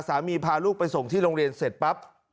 พาลูกไปส่งที่โรงเรียนเสร็จปั๊บ